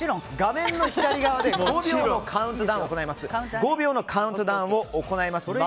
画面の左側で５秒のカウントダウンを行います。